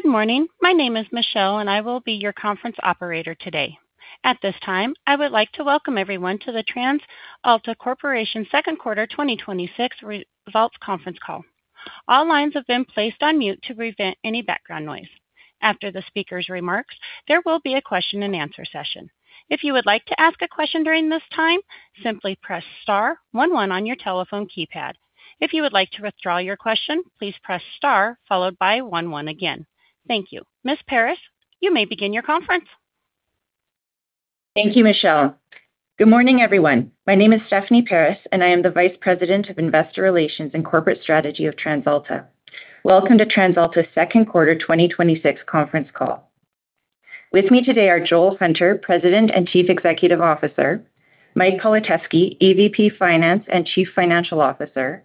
Good morning. My name is Michelle, and I will be your conference operator today. At this time, I would like to welcome everyone to the TransAlta Corporation second quarter 2026 results conference call. All lines have been placed on mute to prevent any background noise. After the speaker's remarks, there will be a question and answer session. If you would like to ask a question during this time, simply press star one one on your telephone keypad. If you would like to withdraw your questi on, please press star followed by one one again. Thank you. Ms. Paris, you may begin your conference. Thank you, Michelle. Good morning, everyone. My name is Stephanie Paris, and I am the Vice President of Investor Relations and Corporate Strategy of TransAlta. Welcome to TransAlta's second quarter 2026 conference call. With me today are Joel Hunter, President and Chief Executive Officer, Mike Politeski, EVP Finance and Chief Financial Officer,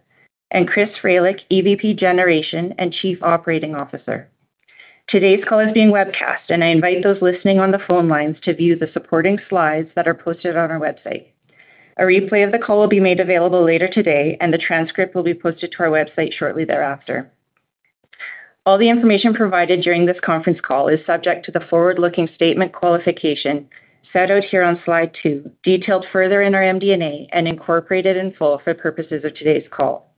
and Chris Fralick, EVP Generation and Chief Operating Officer. Today's call is being webcast, and I invite those listening on the phone lines to view the supporting slides that are posted on our website. A replay of the call will be made available later today, and the transcript will be posted to our website shortly thereafter. All the information provided during this conference call is subject to the forward-looking statement qualification set out here on slide two, detailed further in our MD&A and incorporated in full for purposes of today's call.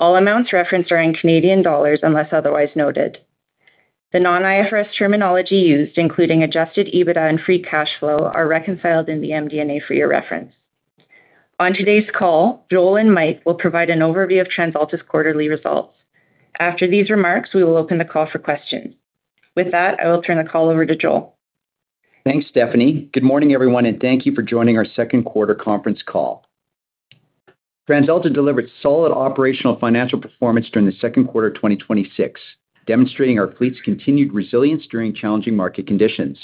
All amounts referenced are in Canadian dollars unless otherwise noted. The non-IFRS terminology used, including Adjusted EBITDA and free cash flow, are reconciled in the MD&A for your reference. On today's call, Joel and Mike will provide an overview of TransAlta's quarterly results. After these remarks, we will open the call for questions. With that, I will turn the call over to Joel. Thanks, Stephanie. Good morning, everyone, and thank you for joining our second quarter conference call. TransAlta delivered solid operational financial performance during the second quarter 2026, demonstrating our fleet's continued resilience during challenging market conditions.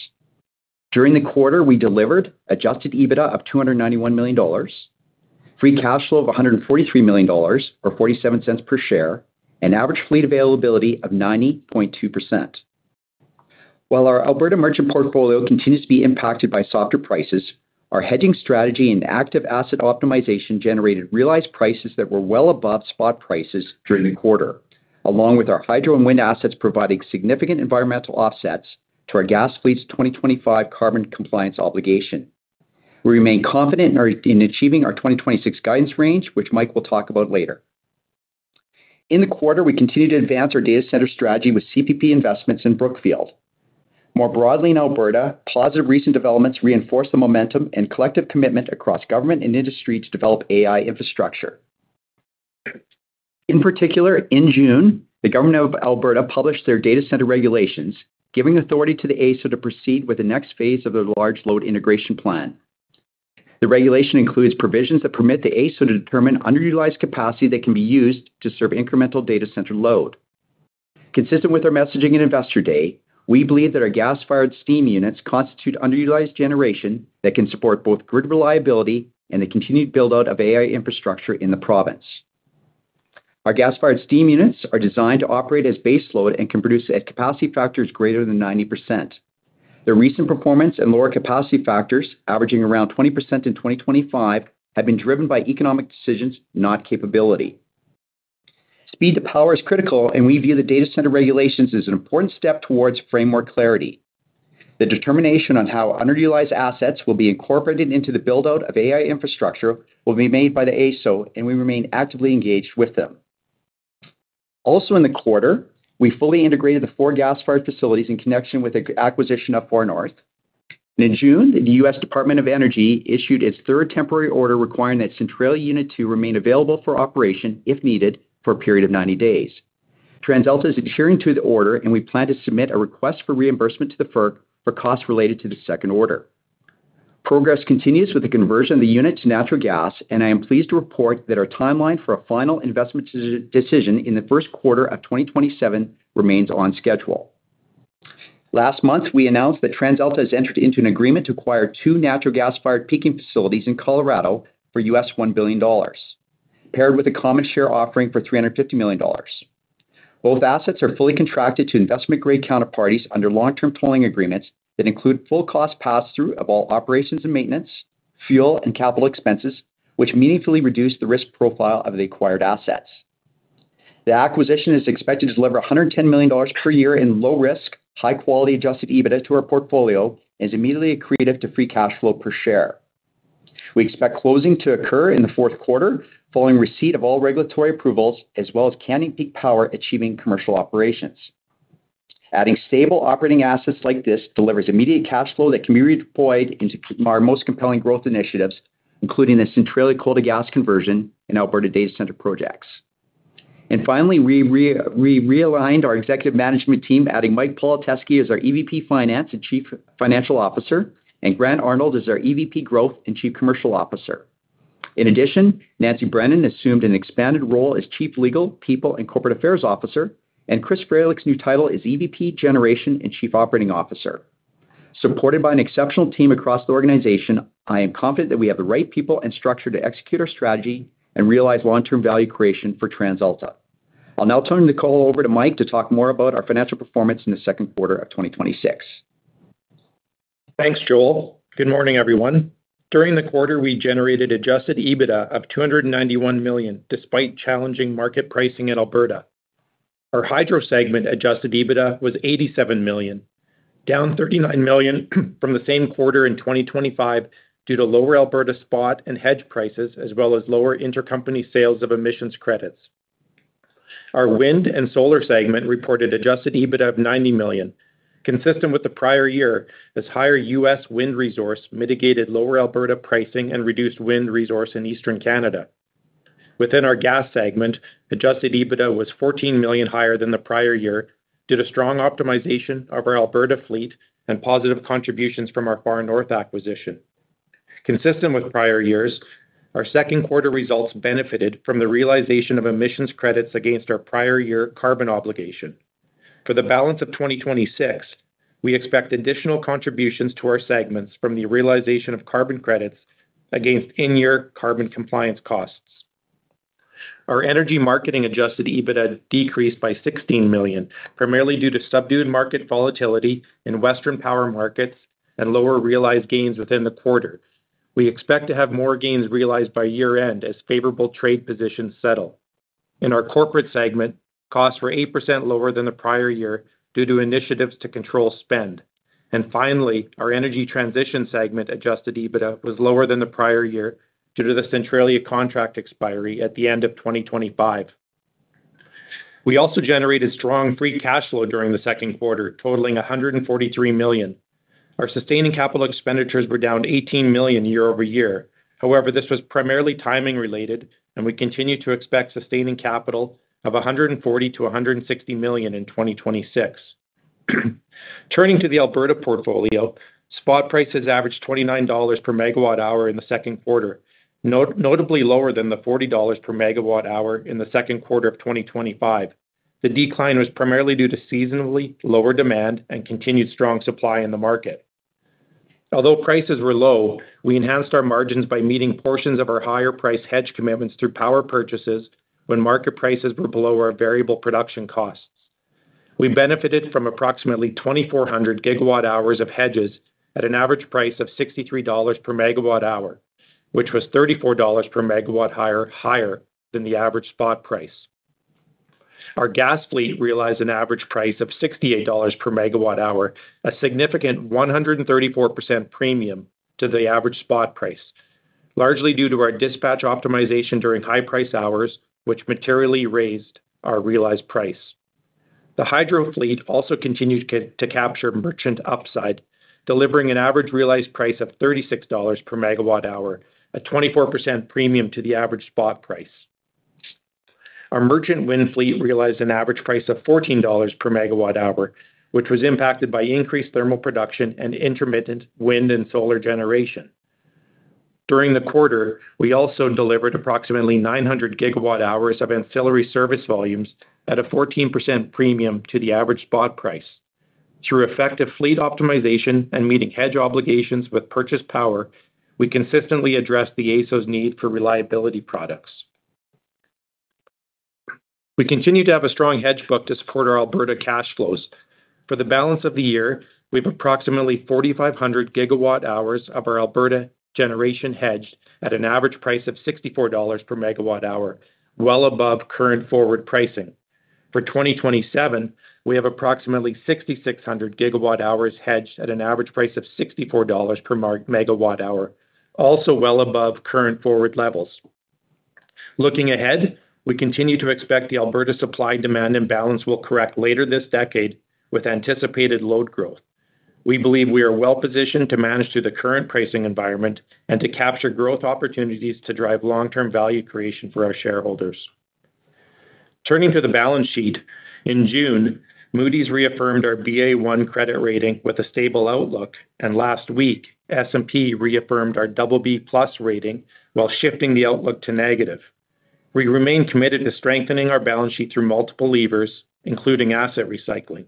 During the quarter, we delivered Adjusted EBITDA of 291 million dollars, free cash flow of 143 million dollars, or 0.47 per share, and average fleet availability of 90.2%. While our Alberta merchant portfolio continues to be impacted by softer prices, our hedging strategy and active asset optimization generated realized prices that were well above spot prices during the quarter, along with our hydro and wind assets providing significant environmental offsets to our gas fleet's 2025 carbon compliance obligation. We remain confident in achieving our 2026 guidance range, which Mike will talk about later. In the quarter, we continued to advance our data center strategy with CPP Investments in Brookfield. More broadly in Alberta, positive recent developments reinforce the momentum and collective commitment across government and industry to develop AI infrastructure. In particular, in June, the government of Alberta published their data center regulations, giving authority to the AESO to proceed with the next phase of their large load integration plan. The regulation includes provisions that permit the AESO to determine underutilized capacity that can be used to serve incremental data center load. Consistent with our messaging at Investor Day, we believe that our gas-fired steam units constitute underutilized generation that can support both grid reliability and the continued build-out of AI infrastructure in the province. Our gas-fired steam units are designed to operate as base load and can produce at capacity factors greater than 90%. The recent performance and lower capacity factors, averaging around 20% in 2025, have been driven by economic decisions, not capability. Speed to power is critical. We view the data center regulations as an important step towards framework clarity. The determination on how underutilized assets will be incorporated into the build-out of AI infrastructure will be made by the AESO, and we remain actively engaged with them. Also in the quarter, we fully integrated the four gas-fired facilities in connection with the acquisition of Far North. In June, the U.S. Department of Energy issued its third temporary order requiring that Centralia Unit 2 remain available for operation if needed for a period of 90 days. TransAlta is adhering to the order, and we plan to submit a request for reimbursement to the FERC for costs related to the second order. Progress continues with the conversion of the unit to natural gas. I am pleased to report that our timeline for a final investment decision in the first quarter of 2027 remains on schedule. Last month, we announced that TransAlta has entered into an agreement to acquire two natural gas-fired peaking facilities in Colorado for US$1 billion, paired with a common share offering for 350 million dollars. Both assets are fully contracted to investment-grade counterparties under long-term tolling agreements that include full cost pass-through of all operations and maintenance, fuel and capital expenses, which meaningfully reduce the risk profile of the acquired assets. The acquisition is expected to deliver 110 million dollars per year in low risk, high-quality Adjusted EBITDA to our portfolio and is immediately accretive to free cash flow per share. We expect closing to occur in the fourth quarter following receipt of all regulatory approvals as well as Canyon Peak Power achieving commercial operations. Adding stable operating assets like this delivers immediate cash flow that can be redeployed into our most compelling growth initiatives, including the Centralia coal-to-gas conversion and Alberta data center projects. Finally, we realigned our executive management team, adding Mike Politeski as our EVP Finance and Chief Financial Officer, and Grant Arnold as our EVP Growth and Chief Commercial Officer. In addition, Nancy Brennan assumed an expanded role as Chief Legal, People, and Corporate Affairs Officer, and Chris Fralick's new title is EVP Generation and Chief Operating Officer. Supported by an exceptional team across the organization, I am confident that we have the right people and structure to execute our strategy and realize long-term value creation for TransAlta. I'll now turn the call over to Mike to talk more about our financial performance in the second quarter of 2026. Thanks, Joel. Good morning, everyone. During the quarter, we generated Adjusted EBITDA of 291 million, despite challenging market pricing in Alberta. Our hydro segment Adjusted EBITDA was 87 million, down 39 million from the same quarter in 2025 due to lower Alberta spot and hedge prices, as well as lower intercompany sales of emissions credits. Our wind and solar segment reported Adjusted EBITDA of 90 million. Consistent with the prior year, as higher U.S. wind resource mitigated lower Alberta pricing and reduced wind resource in Eastern Canada. Within our gas segment, Adjusted EBITDA was 14 million higher than the prior year due to strong optimization of our Alberta fleet and positive contributions from our Far North acquisition. Consistent with prior years, our second quarter results benefited from the realization of emissions credits against our prior year carbon obligation. For the balance of 2026, we expect additional contributions to our segments from the realization of carbon credits against in-year carbon compliance costs. Our energy marketing Adjusted EBITDA decreased by 16 million, primarily due to subdued market volatility in Western Power markets and lower realized gains within the quarter. We expect to have more gains realized by year-end as favorable trade positions settle. In our corporate segment, costs were 8% lower than the prior year due to initiatives to control spend. Finally, our energy transition segment Adjusted EBITDA was lower than the prior year due to the Centralia contract expiry at the end of 2025. We also generated strong free cash flow during the second quarter, totaling 143 million. Our sustaining capital expenditures were down 18 million year-over-year. However, this was primarily timing related, and we continue to expect sustaining capital of 140 million-160 million in 2026. Turning to the Alberta portfolio, spot prices averaged 29 dollars per MWh in the second quarter, notably lower than the 40 dollars per MW in the second quarter of 2025. The decline was primarily due to seasonally lower demand and continued strong supply in the market. Although prices were low, we enhanced our margins by meeting portions of our higher price hedge commitments through power purchases when market prices were below our variable production costs. We benefited from approximately 2,400 GWh of hedges at an average price of 63 dollars per MWh, which was 34 dollars per MW higher than the average spot price. Our gas fleet realized an average price of 68 dollars per megawatt hour, a significant 134% premium to the average spot price, largely due to our dispatch optimization during high price hours, which materially raised our realized price. The hydro fleet also continued to capture merchant upside, delivering an average realized price of 36 dollars per megawatt hour, a 24% premium to the average spot price. Our merchant wind fleet realized an average price of 14 dollars per MWh, which was impacted by increased thermal production and intermittent wind and solar generation. During the quarter, we also delivered approximately 900 GWh of ancillary service volumes at a 14% premium to the average spot price. Through effective fleet optimization and meeting hedge obligations with purchased power, we consistently address the AESO need for reliability products. We continue to have a strong hedge book to support our Alberta cash flows. For the balance of the year, we have approximately 4,500 GWh of our Alberta generation hedged at an average price of 64 dollars per MWh, well above current forward pricing. For 2027, we have approximately 6,600 GWh hedged at an average price of 64 dollars per MWh, also well above current forward levels. Looking ahead, we continue to expect the Alberta supply and demand imbalance will correct later this decade with anticipated load growth. We believe we are well-positioned to manage through the current pricing environment and to capture growth opportunities to drive long-term value creation for our shareholders. Turning to the balance sheet. In June, Moody's reaffirmed our Ba1 credit rating with a stable outlook, and last week, S&P reaffirmed our BB+ rating while shifting the outlook to negative. We remain committed to strengthening our balance sheet through multiple levers, including asset recycling.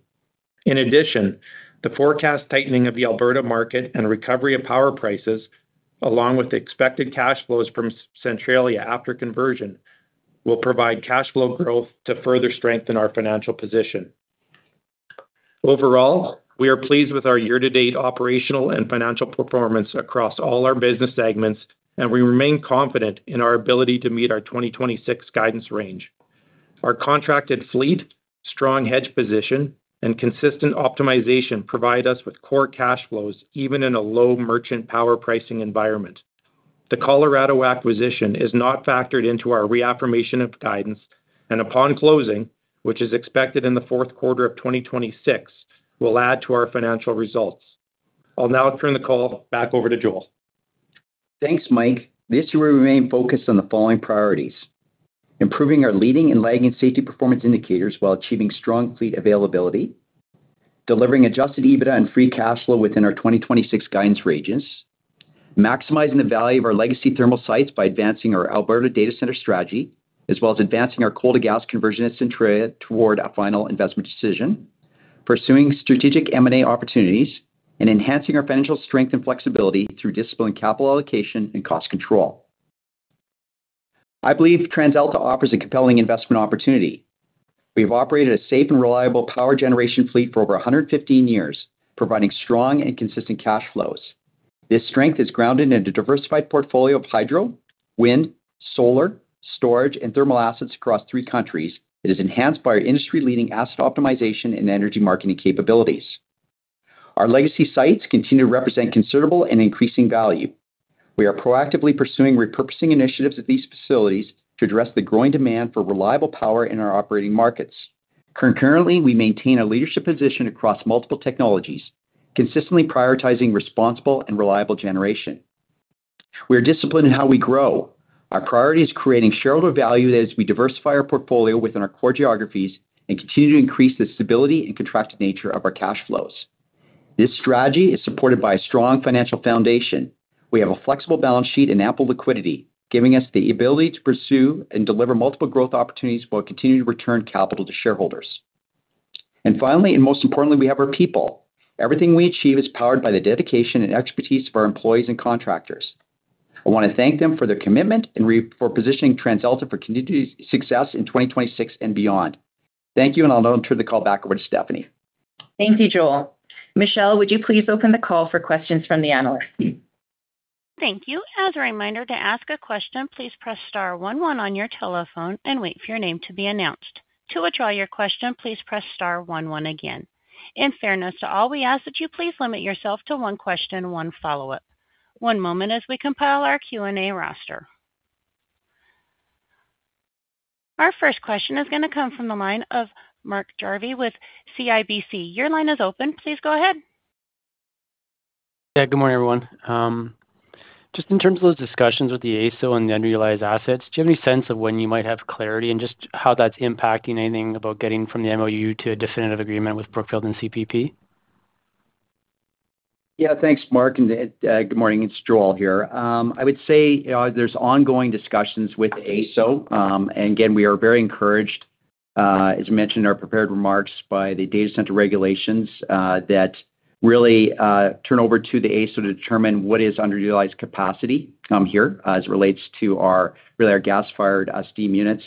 The forecast tightening of the Alberta market and recovery of power prices, along with the expected cash flows from Centralia after conversion, will provide cash flow growth to further strengthen our financial position. Overall, we are pleased with our year-to-date operational and financial performance across all our business segments, and we remain confident in our ability to meet our 2026 guidance range. Our contracted fleet, strong hedge position, and consistent optimization provide us with core cash flows even in a low merchant power pricing environment. The Colorado acquisition is not factored into our reaffirmation of guidance, and upon closing, which is expected in the fourth quarter of 2026, will add to our financial results. I'll now turn the call back over to Joel. Thanks, Mike. This year, we remain focused on the following priorities. Improving our leading and lagging safety performance indicators while achieving strong fleet availability. Delivering Adjusted EBITDA and free cash flow within our 2026 guidance ranges. Maximizing the value of our legacy thermal sites by advancing our Alberta data center strategy, as well as advancing our coal-to-gas conversion at Centralia toward a final investment decision. Pursuing strategic M&A opportunities. Enhancing our financial strength and flexibility through disciplined capital allocation and cost control. I believe TransAlta offers a compelling investment opportunity. We've operated a safe and reliable power generation fleet for over 115 years, providing strong and consistent cash flows. This strength is grounded in a diversified portfolio of hydro, wind, solar, storage, and thermal assets across three countries. It is enhanced by our industry-leading asset optimization and energy marketing capabilities. Our legacy sites continue to represent considerable and increasing value. We are proactively pursuing repurposing initiatives at these facilities to address the growing demand for reliable power in our operating markets. Concurrently, we maintain a leadership position across multiple technologies, consistently prioritizing responsible and reliable generation. We are disciplined in how we grow. Our priority is creating shareholder value as we diversify our portfolio within our core geographies and continue to increase the stability and contracted nature of our cash flows. This strategy is supported by a strong financial foundation. We have a flexible balance sheet and ample liquidity, giving us the ability to pursue and deliver multiple growth opportunities while continuing to return capital to shareholders. Finally, and most importantly, we have our people. Everything we achieve is powered by the dedication and expertise of our employees and contractors. I want to thank them for their commitment and for positioning TransAlta for continued success in 2026 and beyond. Thank you. I'll now turn the call back over to Stephanie. Thank you, Joel. Michelle, would you please open the call for questions from the analysts? Thank you. As a reminder, to ask a question, please press star one one on your telephone and wait for your name to be announced. To withdraw your question, please press star one one again. In fairness to all, we ask that you please limit yourself to one question and one follow-up. One moment as we compile our Q&A roster. Our first question is going to come from the line of Mark Jarvi with CIBC. Your line is open. Please go ahead. Good morning, everyone. Just in terms of those discussions with the AESO and the underutilized assets, do you have any sense of when you might have clarity and just how that's impacting anything about getting from the MOU to a definitive agreement with Brookfield and CPP? Thanks, Mark, and good morning. It's Joel here. I would say there's ongoing discussions with AESO. Again, we are very encouraged, as mentioned in our prepared remarks, by the data center regulations that really turn over to the AESO to determine what is underutilized capacity here as it relates to our gas-fired steam units.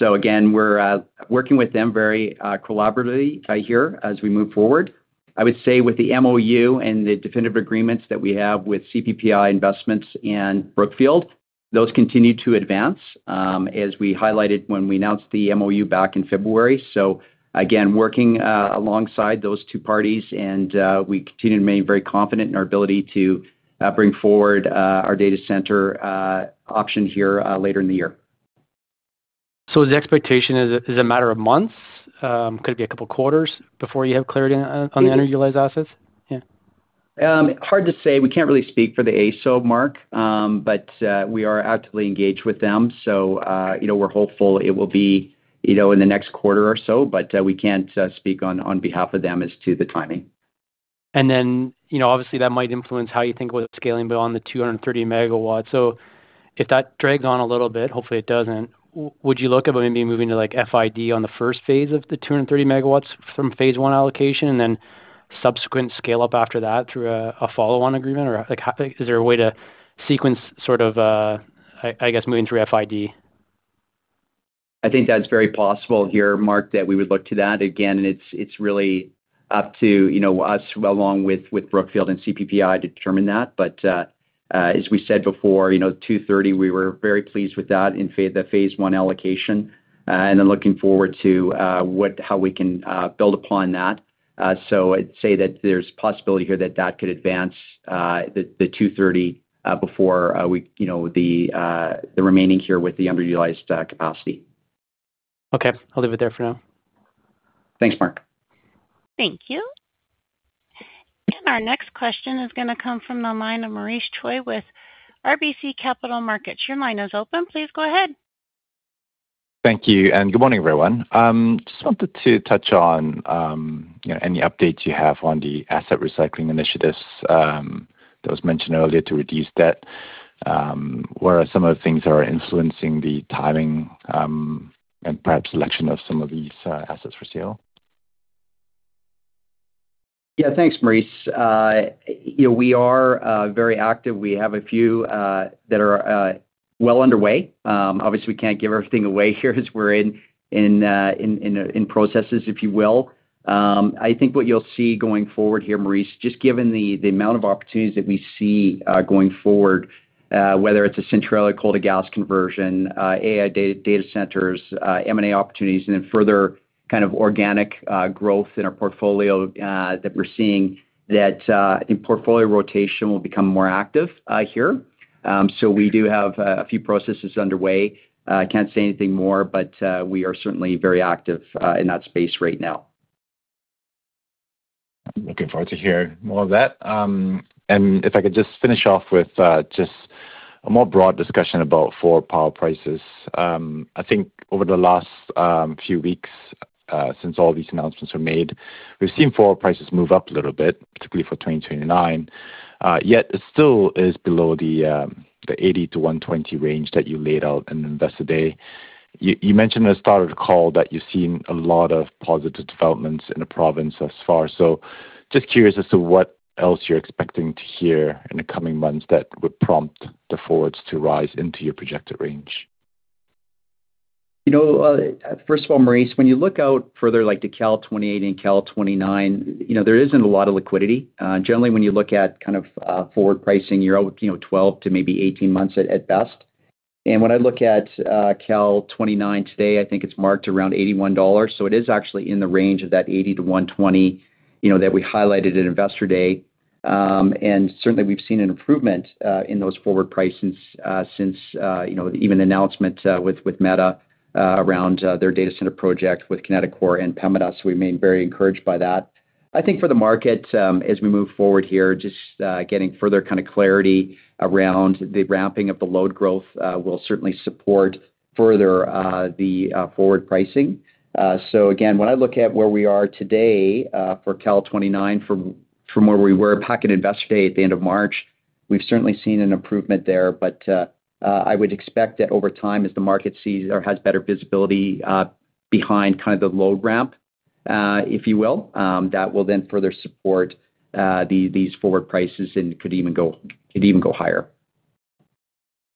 Again, we're working with them very collaboratively here as we move forward. I would say with the MOU and the definitive agreements that we have with CPP Investments and Brookfield, those continue to advance, as we highlighted when we announced the MOU back in February. Again, working alongside those two parties and we continue to remain very confident in our ability to bring forward our data center option here later in the year. The expectation is a matter of months? Could it be a couple of quarters before you have clarity on the underutilized assets? Hard to say. We can't really speak for the AESO, Mark. We are actively engaged with them, we're hopeful it will be in the next quarter or so. We can't speak on behalf of them as to the timing. That might influence how you think about scaling beyond the 230 MWs. If that drags on a little bit, hopefully it doesn't, would you look at maybe moving to FID on the first phase of the 230 MWs from phase one allocation and then subsequent scale-up after that through a follow-on agreement? Is there a way to sequence sort of, I guess, moving through FID? I think that's very possible here, Mark, that we would look to that. It's really up to us along with Brookfield and CPPI to determine that. As we said before, 230, we were very pleased with that in the phase one allocation. Looking forward to how we can build upon that. I'd say that there's possibility here that that could advance the 230 before the remaining here with the underutilized capacity. Okay. I'll leave it there for now. Thanks, Mark. Thank you. Our next question is going to come from the line of Maurice Choy with RBC Capital Markets. Your line is open. Please go ahead. Thank you, good morning, everyone. Just wanted to touch on any updates you have on the asset recycling initiatives that was mentioned earlier to reduce debt. What are some of the things that are influencing the timing and perhaps selection of some of these assets for sale? Yeah. Thanks, Maurice. We are very active. We have a few that are well underway. Obviously, we can't give everything away here as we're in processes, if you will. I think what you'll see going forward here, Maurice, just given the amount of opportunities that we see going forward, whether it's a Centralia coal-to-gas conversion, AI data centers, M&A opportunities, and then further kind of organic growth in our portfolio that we're seeing, that I think portfolio rotation will become more active here. We do have a few processes underway. Can't say anything more, but we are certainly very active in that space right now. Looking forward to hearing more of that. If I could just finish off with just a more broad discussion about forward power prices. I think over the last few weeks since all these announcements were made, we've seen forward prices move up a little bit, particularly for 2029. Yet it still is below the 80-120 range that you laid out in Investor Day. You mentioned at the start of the call that you've seen a lot of positive developments in the province thus far. Just curious as to what else you're expecting to hear in the coming months that would prompt the forwards to rise into your projected range. First of all, Maurice, when you look out further, like to Cal 28 and Cal 29, there isn't a lot of liquidity. Generally, when you look at forward pricing, you're out 12 to maybe 18 months at best. When I look at Cal 29 today, I think it's marked around 81 dollars. It is actually in the range of that 80-120, that we highlighted at Investor Day. Certainly, we've seen an improvement, in those forward prices since even the announcement with Meta around their data center project with Kineticor and Pembina. We remain very encouraged by that. I think for the market, as we move forward here, just getting further clarity around the ramping of the load growth, will certainly support further the forward pricing. Again, when I look at where we are today, for Cal 29 from where we were pocket Investor Day at the end of March, we've certainly seen an improvement there. I would expect that over time, as the market sees or has better visibility behind the load ramp, if you will, that will further support these forward prices and could even go higher.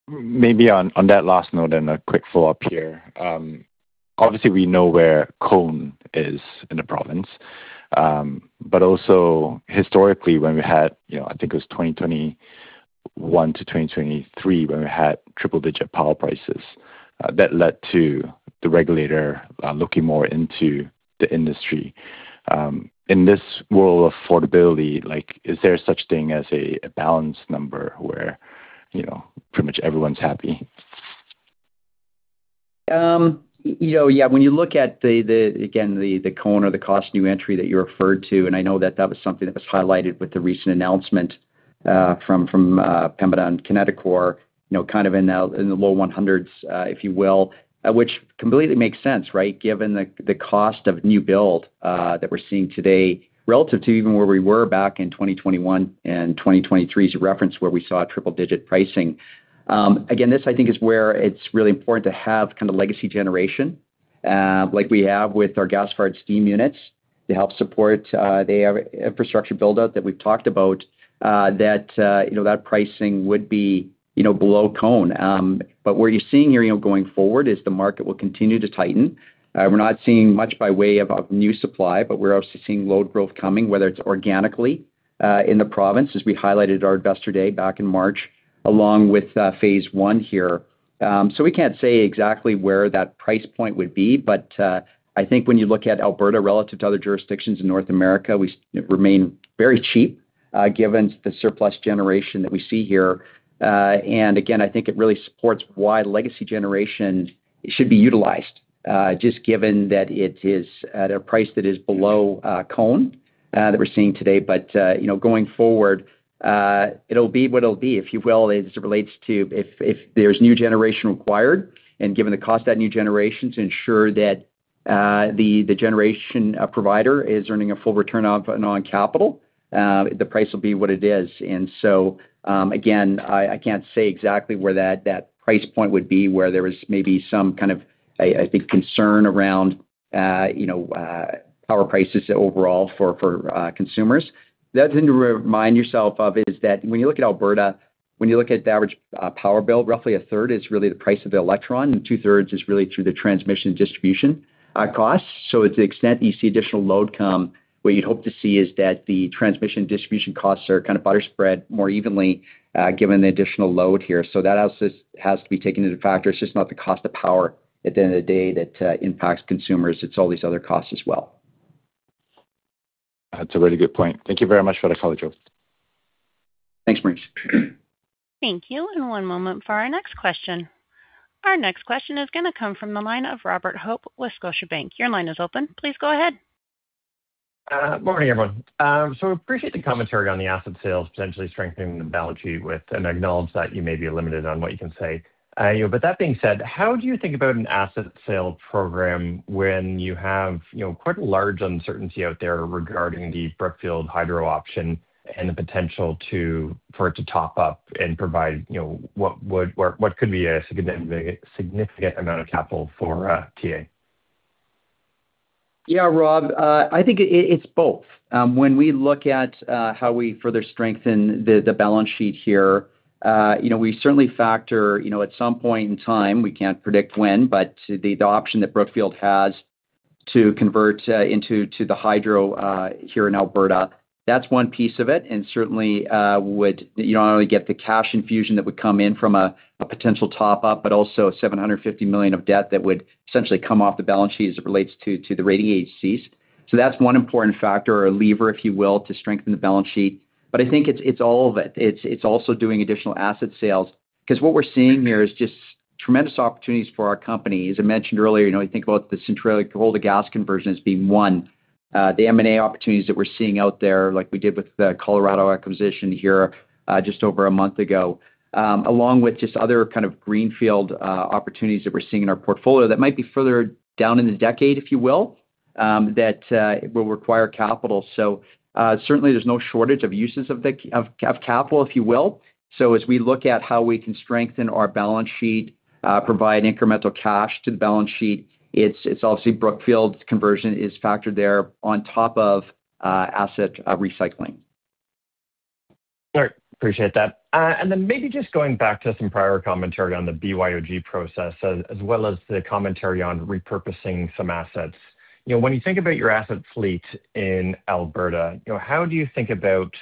Maybe on that last note, a quick follow-up here. Obviously, we know where CONE is in the province. Also historically when we had, I think it was 2021-2023, when we had triple-digit power prices, that led to the regulator looking more into the industry. In this world of affordability, is there such thing as a balance number where pretty much everyone's happy? Yeah. When you look at, again, the CONE or the cost new entry that you referred to, I know that that was something that was highlighted with the recent announcement from Pembina and Kineticor, in the low 100s, if you will, which completely makes sense, right, given the cost of new build that we're seeing today relative to even where we were back in 2021 and 2023, as you referenced, where we saw triple-digit pricing. Again, this I think, is where it's really important to have legacy generation, like we have with our gas-fired steam units to help support the infrastructure build-out that we've talked about. That pricing would be below CONE. Where you're seeing here going forward is the market will continue to tighten. We're not seeing much by way of new supply. We're obviously seeing load growth coming, whether it's organically, in the province, as we highlighted at our Investor Day back in March, along with phase one here. We can't say exactly where that price point would be. I think when you look at Alberta relative to other jurisdictions in North America, we remain very cheap, given the surplus generation that we see here. Again, I think it really supports why legacy generation should be utilized, just given that it is at a price that is below CONE that we're seeing today. Going forward, it'll be what it'll be, if you will, as it relates to if there's new generation required and given the cost of that new generation to ensure that the generation provider is earning a full return on capital. The price will be what it is. Again, I can't say exactly where that price point would be, where there is maybe some kind of, I think, concern around power prices overall for consumers. The other thing to remind yourself of is that when you look at Alberta, when you look at the average power bill, roughly a third is really the price of the electron, and two-thirds is really through the transmission and distribution costs. To the extent that you see additional load come, what you'd hope to see is that the transmission and distribution costs are butter spread more evenly, given the additional load here. That also has to be taken into factor. It's just not the cost of power at the end of the day that impacts consumers. It's all these other costs as well. That's a really good point. Thank you very much for that color, Joel. Thanks, Maurice. Thank you. One moment for our next question. Our next question is going to come from the line of Robert Hope with Scotiabank. Your line is open. Please go ahead. Morning, everyone. Appreciate the commentary on the asset sales potentially strengthening the balance sheet, and I acknowledge that you may be limited on what you can say. That being said, how do you think about an asset sale program when you have quite a large uncertainty out there regarding the Brookfield Hydro option and the potential for it to top up and provide what could be a significant amount of capital for TA? Yeah, Rob. I think it's both. When we look at how we further strengthen the balance sheet here, we certainly factor, at some point in time, we can't predict when, but the option that Brookfield has to convert into the hydro here in Alberta. That's one piece of it, and certainly, would not only get the cash infusion that would come in from a potential top-up, but also 750 million of debt that would essentially come off the balance sheet as it relates to the rate AHCs. That's one important factor or lever, if you will, to strengthen the balance sheet. I think it's all of it. It's also doing additional asset sales, because what we're seeing here is just tremendous opportunities for our company. As I mentioned earlier, when we think about the Central Alberta gas conversions being one. The M&A opportunities that we're seeing out there, like we did with the Colorado acquisition here, just over a month ago, along with just other kind of greenfield opportunities that we're seeing in our portfolio that might be further down in the decade, if you will. That will require capital. Certainly, there's no shortage of uses of capital, if you will. As we look at how we can strengthen our balance sheet, provide incremental cash to the balance sheet, it's obviously Brookfield's conversion is factored there on top of asset recycling. All right. Appreciate that. Maybe just going back to some prior commentary on the BYOG process, as well as the commentary on repurposing some assets. When you think about your asset fleet in Alberta, how do you think about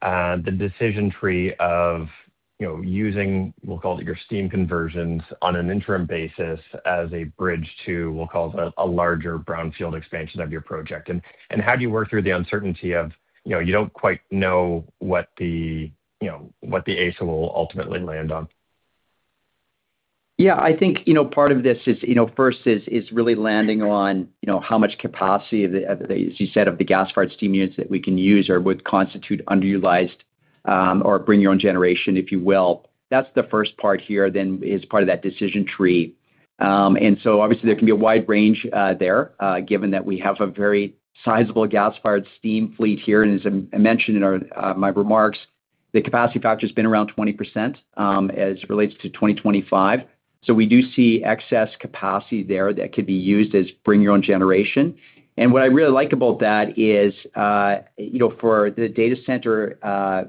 the decision tree of using, we'll call it your steam conversions, on an interim basis as a bridge to, we'll call it a larger brownfield expansion of your project? How do you work through the uncertainty of, you don't quite know what the AESO will ultimately land on? Yeah, I think, part of this is first is really landing on how much capacity, as you said, of the gas-fired steam units that we can use or would constitute underutilized, or bring your own generation, if you will. That's the first part here then is part of that decision tree. Obviously there can be a wide range there, given that we have a very sizable gas-fired steam fleet here. As I mentioned in my remarks, the capacity factor has been around 20%, as relates to 2025. We do see excess capacity there that could be used as bring your own generation. What I really like about that is, for the data center,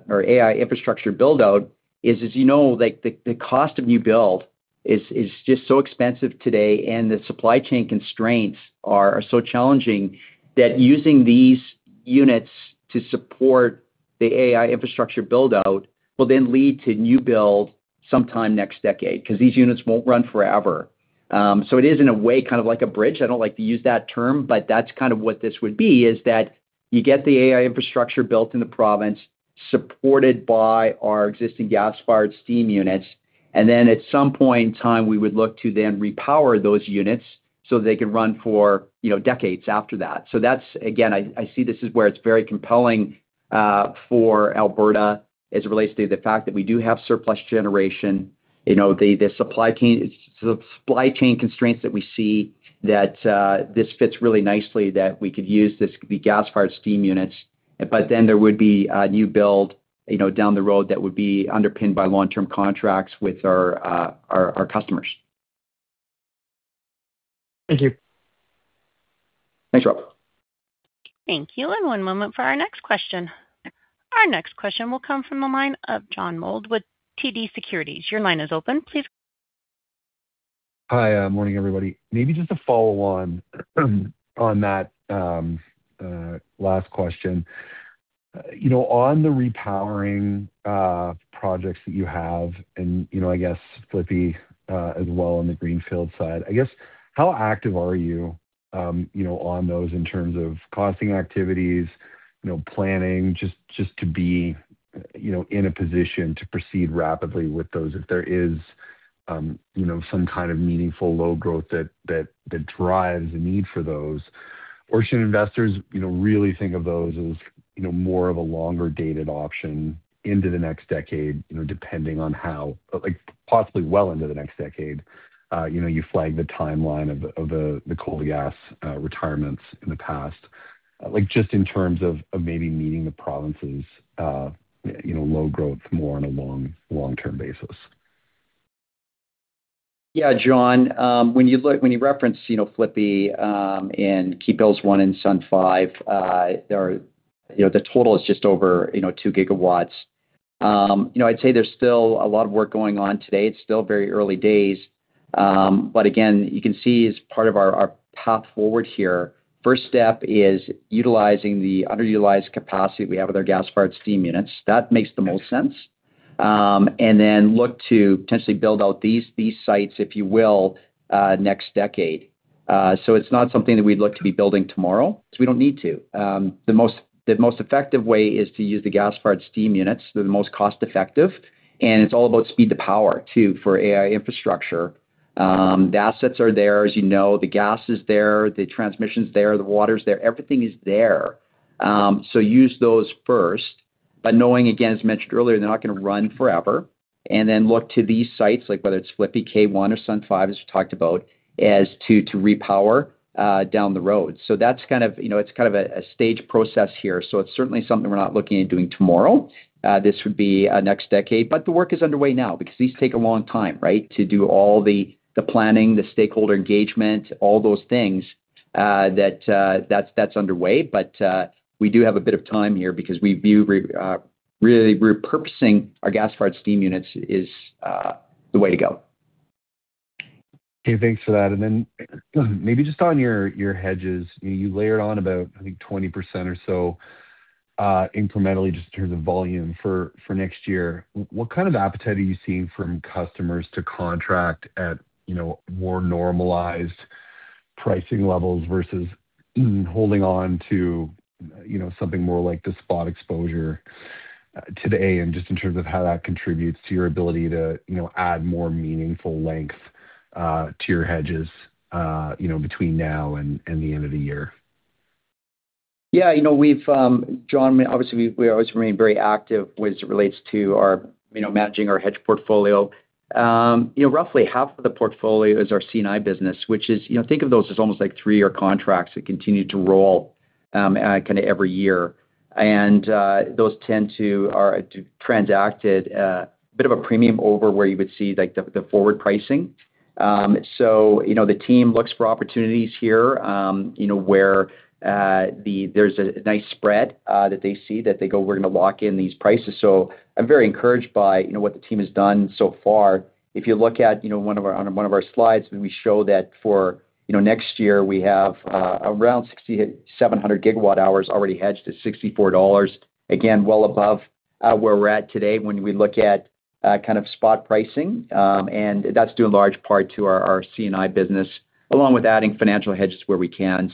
or AI infrastructure build-out is, as you know, the cost of new build is just so expensive today, and the supply chain constraints are so challenging that using these units to support the AI infrastructure build-out will then lead to new build sometime next decade, because these units won't run forever. It is in a way kind of like a bridge. I don't like to use that term, but that's kind of what this would be, is that you get the AI infrastructure built in the province supported by our existing gas-fired steam units, at some point in time, we would look to then repower those units so they could run for decades after that. That's, again, I see this is where it's very compelling, for Alberta as it relates to the fact that we do have surplus generation. The supply chain constraints that we see that this fits really nicely that we could use this could be gas-fired steam units. There would be a new build down the road that would be underpinned by long-term contracts with our customers. Thank you. Thanks, Rob. Thank you. One moment for our next question. Our next question will come from the line of John Mould with TD Securities. Your line is open, please. Hi. Morning, everybody. Maybe just to follow on that last question. On the repowering projects that you have and, I guess FLIPI, as well on the greenfield side, I guess how active are you on those in terms of costing activities, planning, just to be in a position to proceed rapidly with those if there is some kind of meaningful load growth that drives a need for those? Or should investors really think of those as more of a longer-dated option into the next decade, depending on how, possibly well into the next decade. You flagged the timeline of the coal-to-gas retirements in the past. Just in terms of maybe meeting the provinces' load growth more on a long-term basis. John, when you reference FLIPI, and Keephills 1 and Sundance 5, the total is just over two gigawatts. I'd say there's still a lot of work going on today. It's still very early days. Again, you can see as part of our path forward here, first step is utilizing the underutilized capacity we have with our gas-fired steam units. That makes the most sense. Then look to potentially build out these sites, if you will, next decade. It's not something that we'd look to be building tomorrow because we don't need to. The most effective way is to use the gas-fired steam units. They're the most cost-effective, and it's all about speed to power, too, for AI infrastructure. The assets are there, as you know. The gas is there, the transmission's there, the water's there, everything is there. Use those first, but knowing, again, as mentioned earlier, they're not going to run forever. Then look to these sites like whether it's FLIPI, K1, or Sundance 5, as we talked about, as to repower down the road. It's a stage process here. It's certainly something we're not looking at doing tomorrow. This would be next decade, but the work is underway now because these take a long time, right, to do all the planning, the stakeholder engagement, all those things that's underway. We do have a bit of time here because we view really repurposing our gas-fired steam units is the way to go. Okay. Thanks for that. Then maybe just on your hedges, you layered on about, I think 20% or so incrementally just in terms of volume for next year. What kind of appetite are you seeing from customers to contract at more normalized pricing levels versus holding on to something more like the spot exposure to the AE, and just in terms of how that contributes to your ability to add more meaningful length to your hedges between now and the end of the year? Yeah, John, obviously, we always remain very active as it relates to managing our hedge portfolio. Roughly half of the portfolio is our C&I business, which is, think of those as almost like three-year contracts that continue to roll kind of every year. Those tend to are transacted a bit of a premium over where you would see the forward pricing. The team looks for opportunities here where there's a nice spread that they see that they go, "We're going to lock in these prices." I'm very encouraged by what the team has done so far. If you look at on one of our slides, we show that for next year, we have around 6,700 gigawatt hours already hedged to 64 dollars. Again, well above where we're at today when we look at kind of spot pricing. That's due in large part to our C&I business, along with adding financial hedges where we can.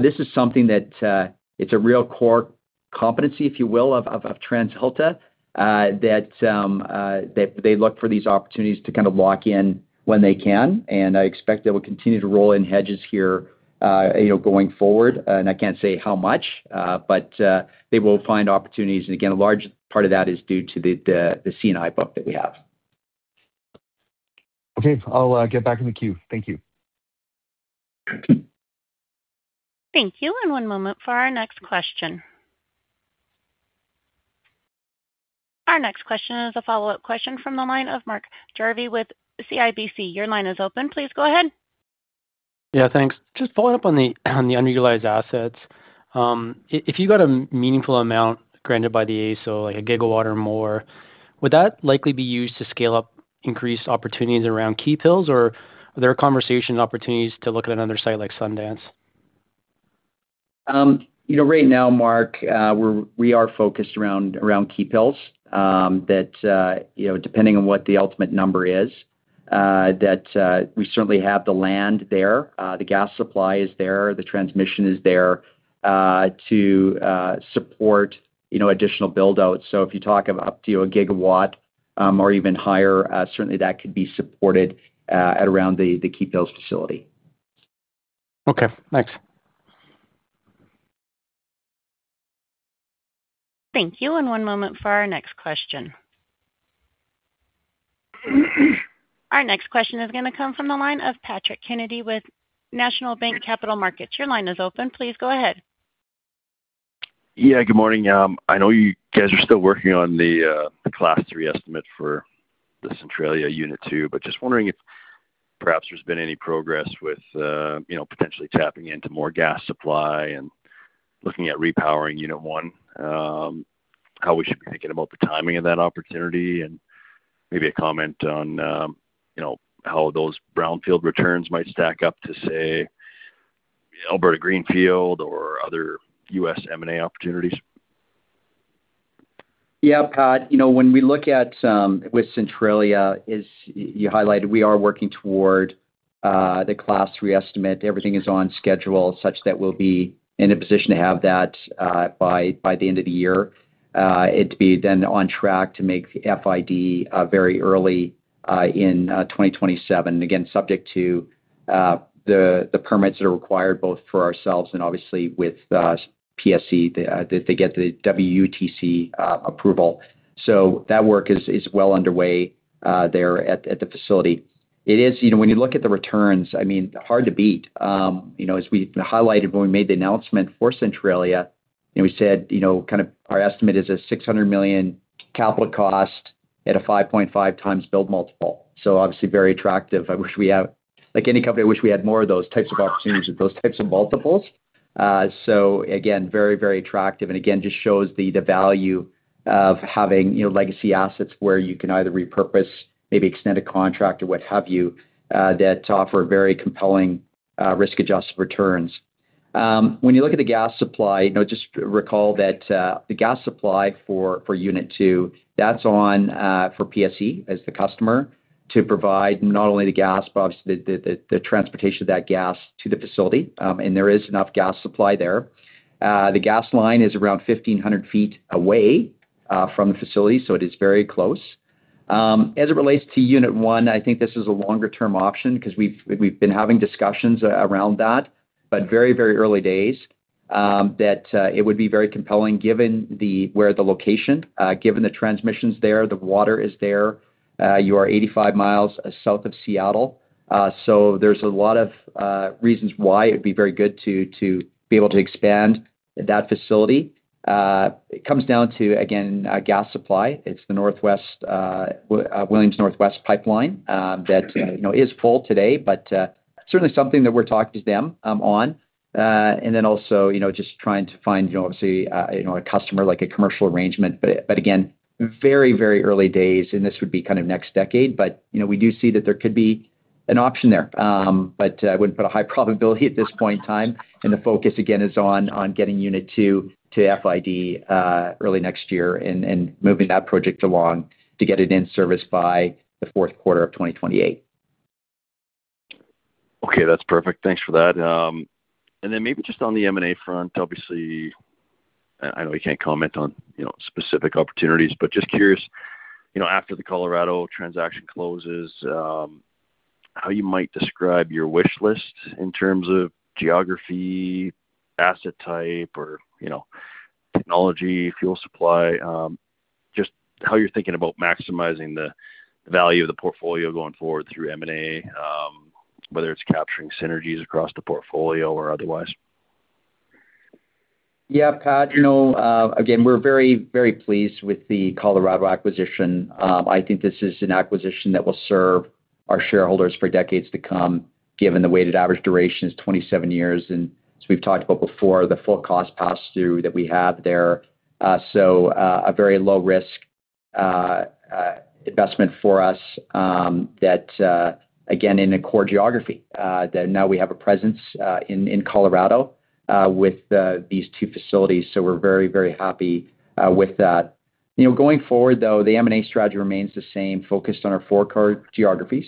This is something that, it's a real core competency, if you will, of TransAlta, that they look for these opportunities to kind of lock in when they can. I expect they will continue to roll in hedges here going forward. I can't say how much, but they will find opportunities. Again, a large part of that is due to the C&I book that we have. Okay. I'll get back in the queue. Thank you. Thank you. One moment for our next question. Our next question is a follow-up question from the line of Mark Jarvi with CIBC. Your line is open. Please go ahead. Yeah, thanks. Just following up on the underutilized assets. If you got a meaningful amount granted by the AESO, like a gigawatt or more, would that likely be used to scale up increased opportunities around Keephills? Are there conversation opportunities to look at another site like Sundance? Depending on what the ultimate number is, we certainly have the land there, the gas supply is there, the transmission is there, to support additional build-outs. If you talk of up to a gigawatt, or even higher, certainly that could be supported at around the Keephills facility. Okay, thanks. Thank you. One moment for our next question. Our next question is going to come from the line of Patrick Kenny with National Bank Financial. Your line is open. Please go ahead. Good morning. I know you guys are still working on the class 3 estimate for the Centralia Unit 2, just wondering if perhaps there's been any progress with potentially tapping into more gas supply and looking at repowering Unit 1. How we should be thinking about the timing of that opportunity, and maybe a comment on how those brownfield returns might stack up to, say, Alberta Greenfield or other U.S. M&A opportunities. Yeah. Pat, when we look at with Centralia, as you highlighted, we are working toward the class 3 estimate. Everything is on schedule, such that we'll be in a position to have that by the end of the year. It to be then on track to make FID very early in 2027. Again, subject to the permits that are required both for ourselves and obviously with PSE, that they get the WUTC approval. That work is well underway there at the facility. When you look at the returns, hard to beat. As we highlighted when we made the announcement for Centralia, and we said, our estimate is a 600 million capital cost at a 5.5x build multiple. Obviously very attractive. Like any company, I wish we had more of those types of opportunities with those types of multiples. Again, very, very attractive. Again, just shows the value of having legacy assets where you can either repurpose, maybe extend a contract or what have you, that offer very compelling risk-adjusted returns. When you look at the gas supply, just recall that the gas supply for unit 2, that's on for PSE as the customer to provide not only the gas, but obviously the transportation of that gas to the facility. There is enough gas supply there. The gas line is around 1,500 ft away from the facility, so it is very close. As it relates to unit 1, I think this is a longer-term option because we've been having discussions around that, but very early days. That it would be very compelling given where the location, given the transmission's there, the water is there. You are 85 mi south of Seattle. There's a lot of reasons why it would be very good to be able to expand that facility. It comes down to, again, gas supply. It's the Williams Northwest Pipeline that is full today, but certainly something that we're talking to them on. Also, just trying to find, obviously, a customer, like a commercial arrangement. Again, very early days, and this would be kind of next decade. We do see that there could be an option there. I wouldn't put a high probability at this point in time. The focus, again, is on getting unit 2 to FID early next year and moving that project along to get it in service by the fourth quarter of 2028. Okay, that's perfect. Thanks for that. Maybe just on the M&A front, obviously I know you can't comment on specific opportunities, just curious, after the Colorado transaction closes, how you might describe your wish list in terms of geography, asset type, or technology, fuel supply. Just how you're thinking about maximizing the value of the portfolio going forward through M&A, whether it's capturing synergies across the portfolio or otherwise. Yeah, Pat. Again, we're very pleased with the Colorado acquisition. I think this is an acquisition that will serve our shareholders for decades to come, given the weighted average duration is 27 years. As we've talked about before, the full cost pass-through that we have there. A very low-risk investment for us that, again, in a core geography, that now we have a presence in Colorado with these two facilities. We're very happy with that. Going forward, though, the M&A strategy remains the same, focused on our four core geographies.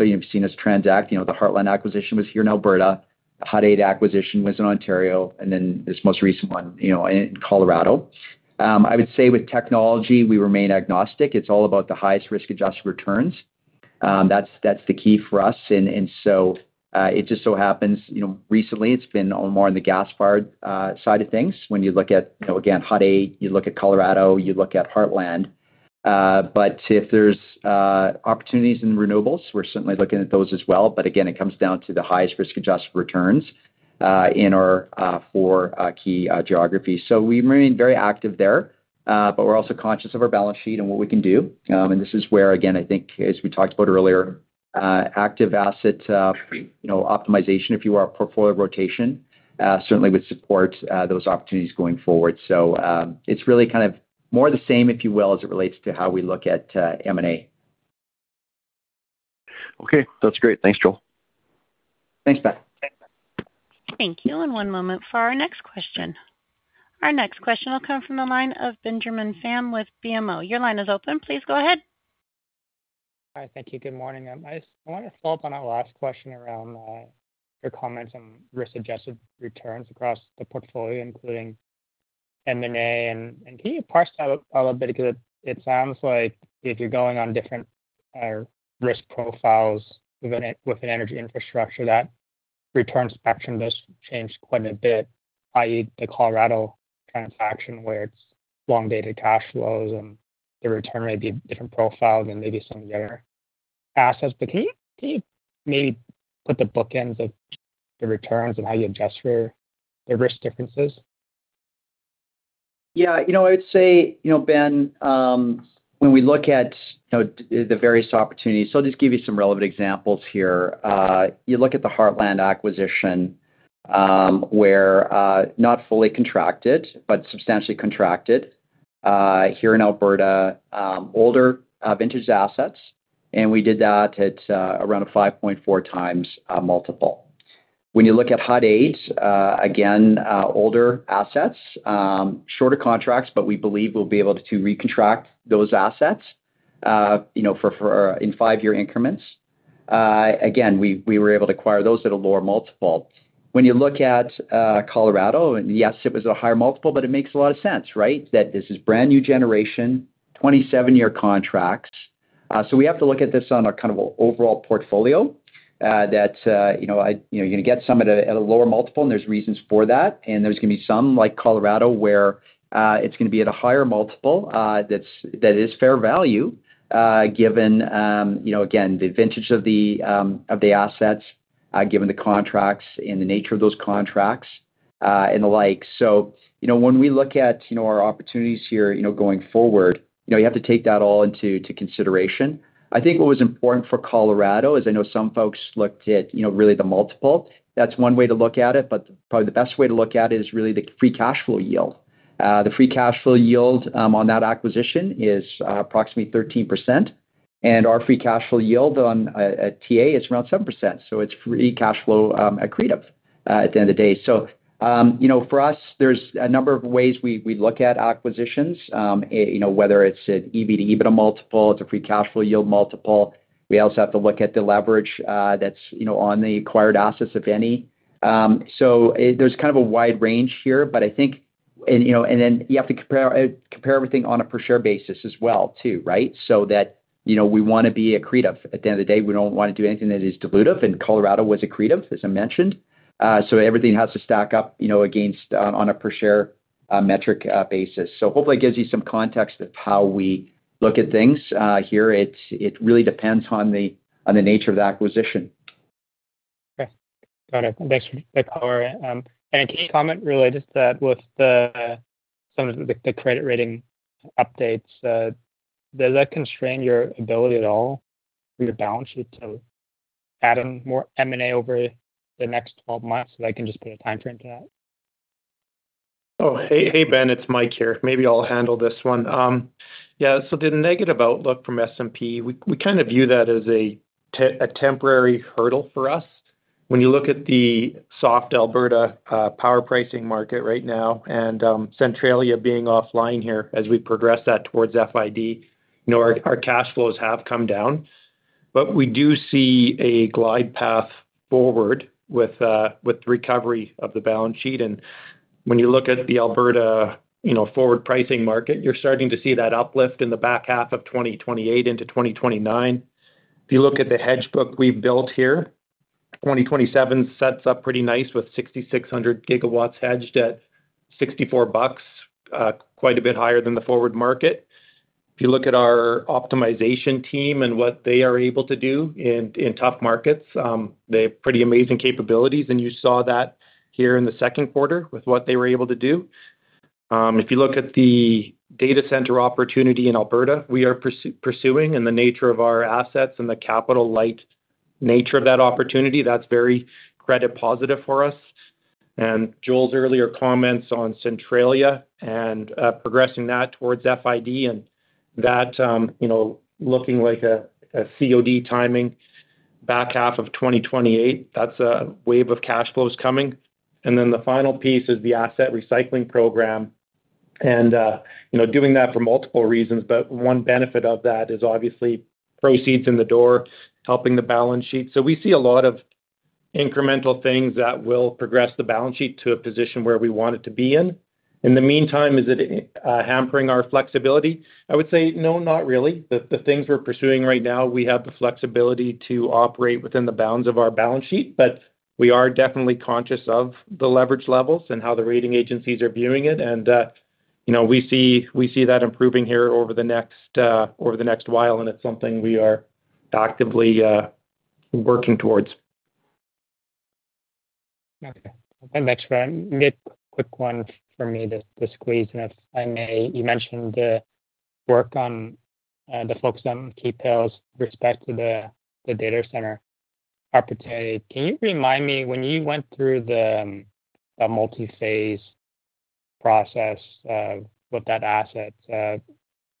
You've seen us transact. The Heartland acquisition was here in Alberta. Hut 8 acquisition was in Ontario, and then this most recent one in Colorado. I would say with technology, we remain agnostic. It's all about the highest risk-adjusted returns. That's the key for us. It just so happens, recently it's been more on the gas-fired side of things. When you look at, again, Hut 8, you look at Colorado, you look at Heartland. If there's opportunities in renewables, we're certainly looking at those as well. Again, it comes down to the highest risk-adjusted returns in our four key geographies. We remain very active there. We're also conscious of our balance sheet and what we can do. This is where, again, I think, as we talked about earlier, active asset optimization, if you are a portfolio rotation, certainly would support those opportunities going forward. It's really more the same, if you will, as it relates to how we look at M&A. Okay. That's great. Thanks, Joel. Thanks, Pat. Thank you. One moment for our next question. Our next question will come from the line of Benjamin Pham with BMO. Your line is open. Please go ahead. Hi. Thank you. Good morning. I want to follow up on our last question around your comments on risk-adjusted returns across the portfolio, including M&A. Can you parse that out a little bit? Because it sounds like if you're going on different risk profiles within energy infrastructure, that return spectrum does change quite a bit, i.e., the Colorado transaction, where it's long-dated cash flows and the return may be a different profile than maybe some of the other assets. Can you maybe put the bookends of the returns and how you adjust for the risk differences? Yeah. I would say, Ben, when we look at the various opportunities, so I'll just give you some relevant examples here. You look at the Heartland acquisition, where not fully contracted but substantially contracted here in Alberta, older vintage assets, and we did that at around a 5.4x multiple. When you look at Hut 8, again, older assets, shorter contracts, but we believe we'll be able to recontract those assets in five-year increments. Again, we were able to acquire those at a lower multiple. When you look at Colorado, and yes, it was at a higher multiple, but it makes a lot of sense. That this is brand-new generation, 27-year contracts. We have to look at this on a kind of overall portfolio that you're going to get some at a lower multiple, and there's reasons for that. There's going to be some, like Colorado, where it's going to be at a higher multiple that is fair value, given, again, the vintage of the assets, given the contracts and the nature of those contracts, and the like. When we look at our opportunities here going forward, you have to take that all into consideration. I think what was important for Colorado is I know some folks looked at really the multiple. That's one way to look at it, but probably the best way to look at it is really the free cash flow yield. The free cash flow yield on that acquisition is approximately 13%, and our free cash flow yield on TA is around 7%. It's free cash flow accretive at the end of the day. For us, there's a number of ways we look at acquisitions, whether it's an EBITDA multiple, it's a free cash flow yield multiple. We also have to look at the leverage that's on the acquired assets, if any. There's kind of a wide range here. Then you have to compare everything on a per share basis as well, too. That we want to be accretive. At the end of the day, we don't want to do anything that is dilutive, and Colorado was accretive, as I mentioned. Everything has to stack up against on a per share metric basis. Hopefully it gives you some context of how we look at things here. It really depends on the nature of the acquisition. Okay. Got it. Thanks for the color. Can you comment related to that with some of the credit rating updates? Does that constrain your ability at all on your balance sheet to add in more M&A over the next 12 months? If I can just put a time frame to that. Oh, hey, Ben, it's Mike here. Maybe I'll handle this one. The negative outlook from S&P, we kind of view that as a temporary hurdle for us. When you look at the soft Alberta power pricing market right now and Centralia being offline here, as we progress that towards FID, our cash flows have come down. We do see a glide path forward with the recovery of the balance sheet. When you look at the Alberta forward pricing market, you're starting to see that uplift in the back half of 2028 into 2029. If you look at the hedge book we've built here, 2027 sets up pretty nice with 6,600 GW hedged at 64 bucks, quite a bit higher than the forward market. If you look at our optimization team and what they are able to do in tough markets, they have pretty amazing capabilities, and you saw that here in the second quarter with what they were able to do. If you look at the data center opportunity in Alberta we are pursuing, and the nature of our assets and the capital light nature of that opportunity, that's very credit positive for us. Joel's earlier comments on Centralia and progressing that towards FID and that looking like a COD timing back half of 2028. That's a wave of cash flows coming. The final piece is the asset recycling program and doing that for multiple reasons. One benefit of that is obviously proceeds in the door, helping the balance sheet. We see a lot of incremental things that will progress the balance sheet to a position where we want it to be in. In the meantime, is it hampering our flexibility? I would say, no, not really. The things we're pursuing right now, we have the flexibility to operate within the bounds of our balance sheet. We are definitely conscious of the leverage levels and how the rating agencies are viewing it, we see that improving here over the next while, it's something we are actively working towards. Okay. Thanks, Mike. Quick one for me to squeeze in, if I may. You mentioned the focus on Keephills respect to the data center opportunity. Can you remind me when you went through the multi-phase process with that asset,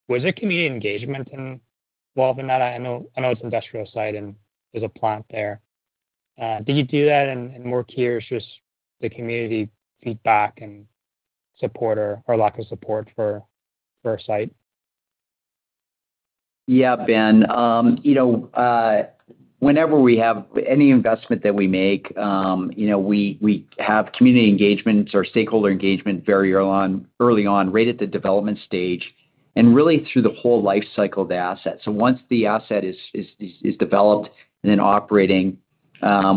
was there community engagement involved in that? I know it's industrial site and there's a plant there. Did you do that and work here? It's just the community feedback and support or lack of support for a site. Ben, whenever we have any investment that we make, we have community engagements or stakeholder engagement very early on, right at the development stage and really through the whole life cycle of the asset. Once the asset is developed and then operating,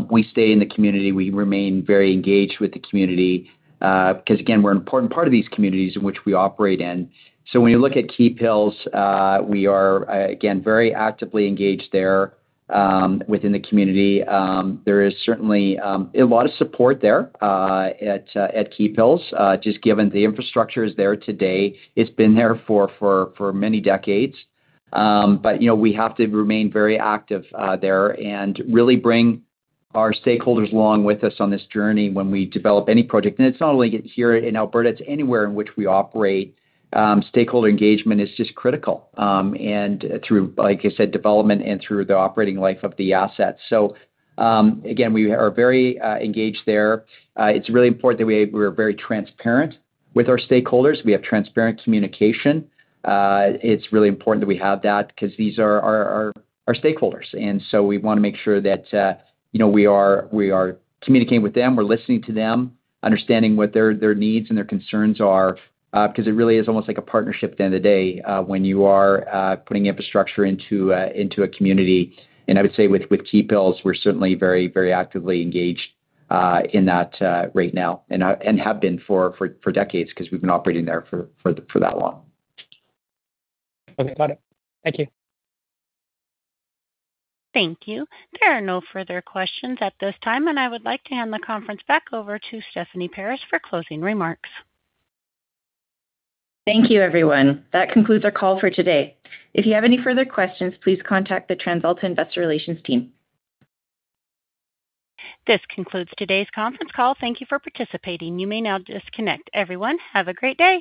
we stay in the community. We remain very engaged with the community. Again, we're an important part of these communities in which we operate in. When you look at Keephills, we are again, very actively engaged there. Within the community, there is certainly a lot of support there, at Keephills, just given the infrastructure is there today. It's been there for many decades. We have to remain very active there and really bring our stakeholders along with us on this journey when we develop any project. It's not only here in Alberta, it's anywhere in which we operate. Stakeholder engagement is just critical. Through, like I said, development and through the operating life of the asset. Again, we are very engaged there. It's really important that we are very transparent with our stakeholders. We have transparent communication. It's really important that we have that because these are our stakeholders, and we want to make sure that we are communicating with them, we're listening to them, understanding what their needs and their concerns are. It really is almost like a partnership at the end of the day, when you are putting infrastructure into a community. I would say with Keephills, we're certainly very actively engaged in that right now and have been for decades because we've been operating there for that long. Okay, got it. Thank you. Thank you. There are no further questions at this time, I would like to hand the conference back over to Stephanie Paris for closing remarks. Thank you, everyone. That concludes our call for today. If you have any further questions, please contact the TransAlta investor relations team. This concludes today's conference call. Thank you for participating. You may now disconnect. Everyone, have a great day.